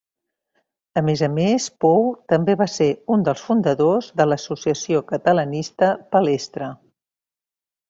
A més a més Pou també va ser un dels fundadors de l'associació catalanista Palestra.